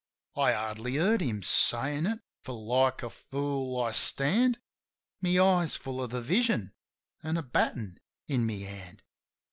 " I hardly heard him saying it, for like a fool I stand, My eyes full of the vision an' a batten in my hand.